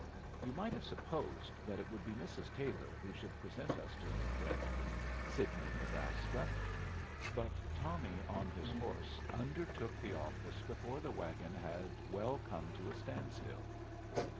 You might have supposed that it would be Mrs. Taylor who should present us to her friend from Sidney, Nebraska; but Tommy on his horse undertook the office before the wagon had well come to a standstill.